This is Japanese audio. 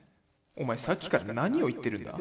「お前さっきから何を言ってるんだ？」。